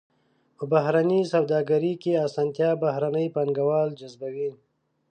په بهرنۍ سوداګرۍ کې اسانتیا بهرني پانګوال جذبوي.